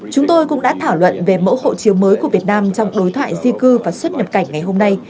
chúng tôi cũng đã thảo luận về mẫu hộ chiếu mới của việt nam trong đối thoại di cư và xuất nhập cảnh ngày hôm nay